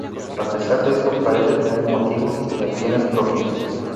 A pesar de eso parece tener motivos y acciones propias.